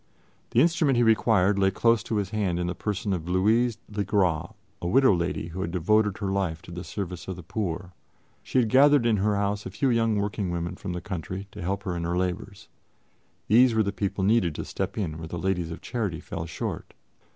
The instrument he required lay close to his hand in the person of Louise le Gras, a widow lady who had devoted her life to the service of the poor. She had gathered in her house a few young working women from the country to help her in her labors; these were the people needed to step in where the Ladies of Charity fell short.